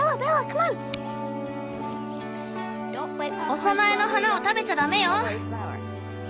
お供えの花を食べちゃダメよ！